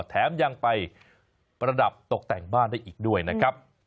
แถมยังไปประดับตกแต่งบ้านได้อีกด้วยนะครับ